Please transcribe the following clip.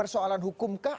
persoalan hukum kah